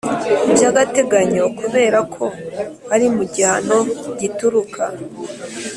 by agateganyo kubera ko ari mu gihano gituruka